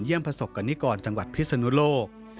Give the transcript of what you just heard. เยี่ยมประสบกันนิกรจังหวัดพิษณุโลก